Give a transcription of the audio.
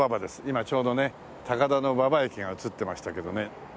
今ちょうどね高田馬場駅が映ってましたけどね。